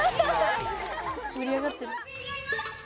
盛り上がってる。